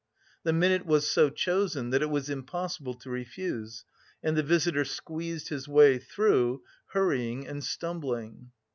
The minute was so chosen that it was impossible to refuse, and the visitor squeezed his way through, hurrying and stumbling.